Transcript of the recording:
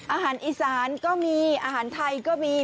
อาหารอีสานก็มีอาหารไทยก็มี